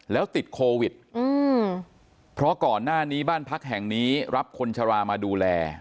แล้วติดโควิดเพราะก่อนหน้านี้บ้านพักแห่งนี้รับคนชรามาดูแล